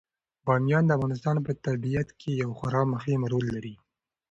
بامیان د افغانستان په طبیعت کې یو خورا مهم رول لري.